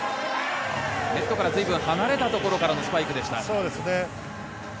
ネットからずいぶん離れたところからのスパイクでした。